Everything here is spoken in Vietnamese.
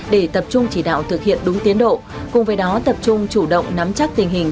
để tập trung chỉ đạo thực hiện đúng tiến độ cùng với đó tập trung chủ động nắm chắc tình hình